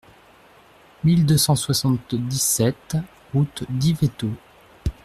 mille deux cent soixante-dix-sept route d'Yvetot